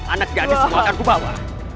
anak gadismu akan kubawa